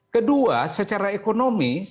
kedua secara ekonomi